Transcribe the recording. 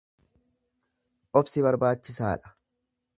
Obsi barbaachisaadha.